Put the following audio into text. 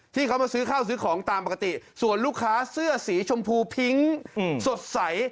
ที่เขามาซื้อข้าวซื้อของตามปกติส่วนลูกค้าเสื้อสีชมพูพิ้งสดใส